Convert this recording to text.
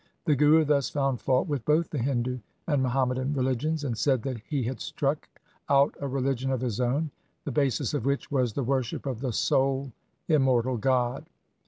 The Guru thus found fault with both the Hindu and Muhammadan religions, and said that he had struck out a religion of his own, the basis of which was the worship of the sole immortal God.